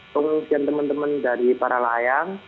kemudian teman teman dari para layang